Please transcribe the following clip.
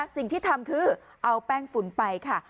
สิ่งที่ทำคือเอาแป้งฝุ่นไปค่ะ